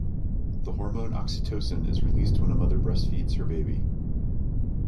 The hormone oxytocin is released when a mother breastfeeds her baby.